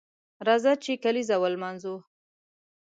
راځه چې کالیزه ونمانځو